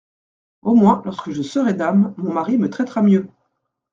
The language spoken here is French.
Au moins lorsque je serai dame, Mon mari me traitera mieux !